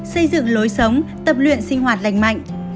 xây dựng lối sống tập luyện sinh hoạt lành mạnh